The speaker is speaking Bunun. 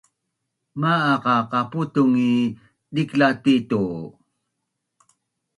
Maaq a qaputung i dikla ti tu?